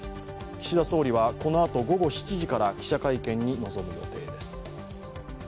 岸田総理はこのあと午後７時から記者会見に臨む予定です。